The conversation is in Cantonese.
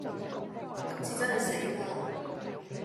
今次真係死啦